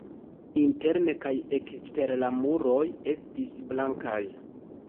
Interne kaj ekstere la muroj estis blankaj.